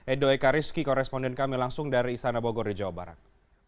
edo eka rizky koresponden kami langsung dari istana bogor jawa barat